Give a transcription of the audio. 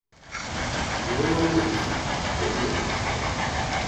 揉揉眼睛頭也不回